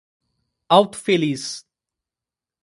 Alto Feliz